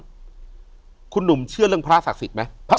อยู่ที่แม่ศรีวิรัยิลครับ